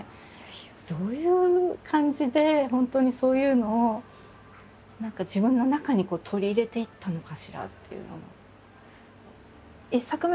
どういう感じで本当にそういうのを何か自分の中に取り入れていったのかしらっていうのも。